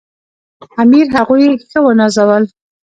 امیر هغوی ښه ونازول.